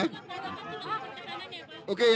terima kasih ya